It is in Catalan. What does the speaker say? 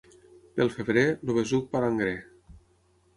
Pel febrer, el besuc palangrer.